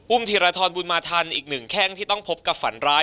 ธีรทรบุญมาทันอีกหนึ่งแข้งที่ต้องพบกับฝันร้าย